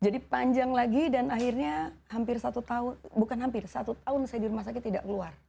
jadi panjang lagi dan akhirnya hampir satu tahun bukan hampir satu tahun saya di rumah sakit tidak keluar